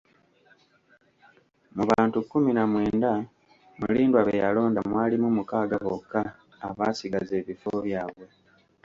Mu bantu kkumi na mwenda Mulindwa be yalonda mwalimu mukaaga bokka abaasigaza ebifo byabwe.